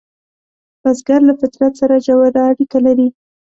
بزګر له فطرت سره ژور اړیکه لري